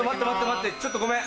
待ってちょっとごめん。